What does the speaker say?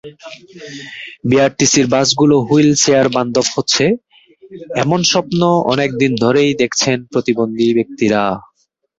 বিআরটিসির বাসগুলো হুইল চেয়ার-বান্ধব হচ্ছে, এমন স্বপ্ন অনেক দিন ধরেই দেখছেন প্রতিবন্ধী ব্যক্তিরা।